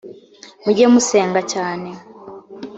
mujye musenga cyane.